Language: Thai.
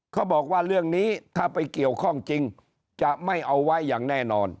เขาบอกว่าเรื่องนี้ถ้าไปเกี่ยวข้องจริงจะไม่เอาไว้อย่างแน่นอน